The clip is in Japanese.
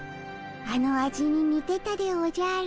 あの味ににてたでおじゃる。